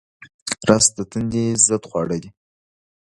رس د تندې ضد خواړه دي